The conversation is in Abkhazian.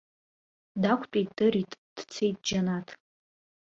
Дақәтәеит, дырит, дцеит џьанаҭ.